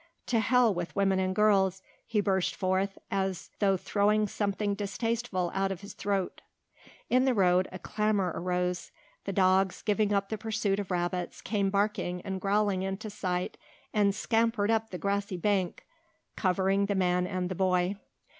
"To Hell with women and girls," he burst forth as though throwing something distasteful out of his throat. In the road a clamour arose. The dogs, giving up the pursuit of rabbits, came barking and growling into sight and scampered up the grassy bank, covering the man and the boy.